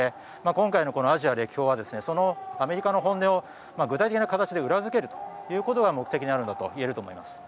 今回のアジア歴訪はそのアメリカの本音を具体的な形で裏付けるということが目的にあるんだといえると思います。